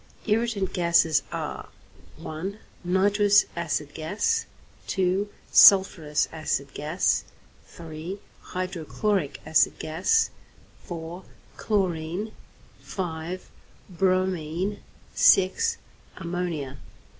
=Irritant Gases= are (1) Nitrous acid gas; (2) sulphurous acid gas; (3) hydrochloric acid gas; (4) chlorine; (5) bromine; (6) ammonia.